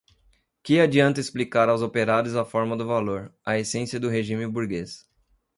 que adianta explicar aos operários a forma do valor, a essência do regime burguês